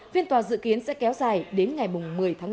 phiên tòa dự kiến sẽ kéo dài đến ngày một mươi tháng năm